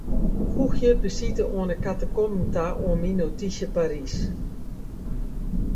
Foegje besite oan 'e katakomben ta oan myn notysje Parys.